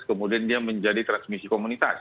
kemudian dia menjadi transmisi komunitas